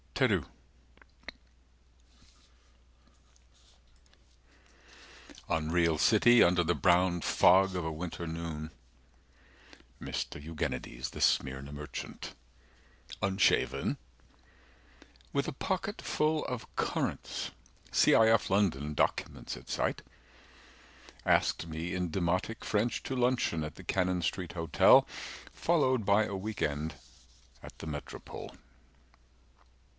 205 Tereu Unreal City Under the brown fog of a winter noon Mr Eugenides, the Smyrna merchant Unshaven, with a pocket full of currants 210 C. i. f. London: documents at sight, Asked me in demotic French To luncheon at the Cannon Street Hotel Followed by a week end at the Metropole.